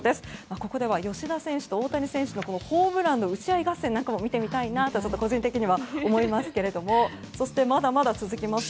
ここでは吉田選手と大谷選手のホームランの打ち合い合戦も見てみたいと個人的には思いますがそして、まだまだ続きます。